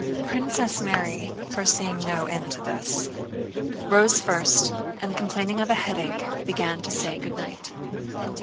Princess Mary, foreseeing no end to this, rose first, and complaining of a headache began to say good night.